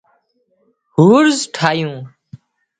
هورز ٺاهيو